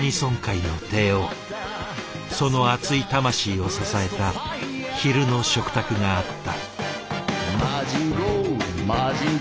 その熱い魂を支えた昼の食卓があった。